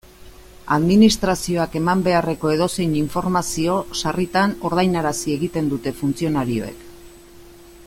Administrazioak eman beharreko edozein informazio sarritan ordainarazi egiten dute funtzionarioek.